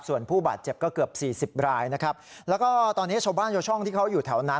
ส่วนผู้บาดเจ็บก็เกือบสี่สิบรายนะครับแล้วก็ตอนนี้ชาวบ้านชาวช่องที่เขาอยู่แถวนั้น